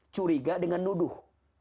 curiga dengan nuduh